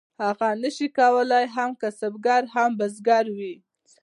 هغه نشو کولی هم کسبګر او هم بزګر وي.